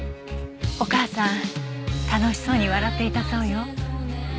お母さん楽しそうに笑っていたそうよ。